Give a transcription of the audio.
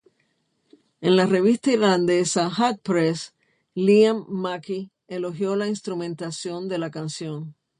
En la revista irlandesa "Hot Press", Liam Mackey elogió la instrumentación de la canción.